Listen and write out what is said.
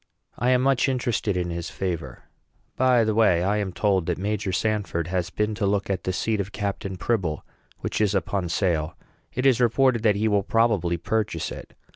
I am much interested in his favor. By the way, I am told that Major Sanford has been to look at the seat of Captain Pribble, which is upon sale. It is reported that he will probably purchase it.